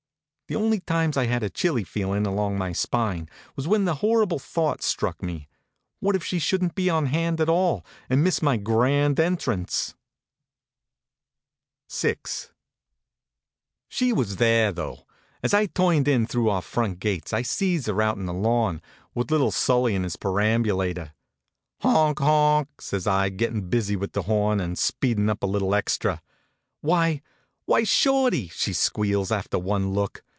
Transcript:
The only times I had a chilly feelin along my spine was when the horrible thought struck me, what if she shouldn t be on hand at all, and miss my grand en trance ? VI was there, though. As I turned in through our front gates I see her out on the lawn, with little Sully in his perambulator. " Honk, honk! " says I, gettin busy with the horn and speedin up a little extra. " Why why, Shorty! " she squeals, after one look.